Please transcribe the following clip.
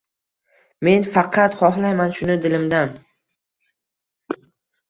Men faqat hohlayman shuni dilimdan